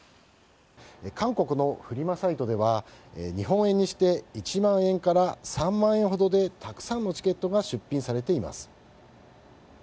韓国のフリマサイトでは日本円にして１万円から３万円ほどでたくさんのチケットが出品されています。